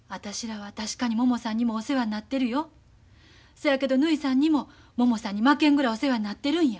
そやけどぬひさんにもももさんに負けんぐらいお世話になってるんや。